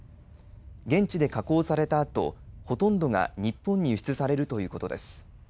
現地で加工されたあとほとんどが日本に輸出されるということです。